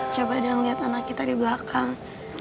coba dong lihat anak kita di belakang